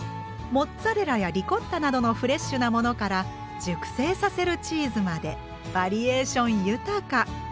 モッツァレラやリコッタなどのフレッシュなものから熟成させるチーズまでバリエーション豊か。